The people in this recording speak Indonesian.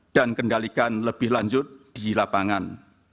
dan kendalikan lebih lanjut di lapangan